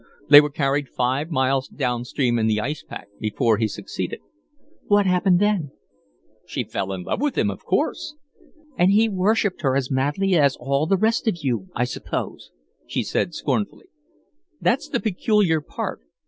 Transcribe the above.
They were carried five miles down stream in the ice pack before he succeeded." "What happened then?" "She fell in love with him, of course." "And he worshipped her as madly as all the rest of you, I suppose," she said, scornfully. "That's the peculiar part.